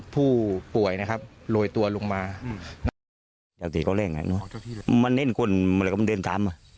ผู้ป่วยนะครับโรยตัวลงมามันเน่นคนมันเดินตาม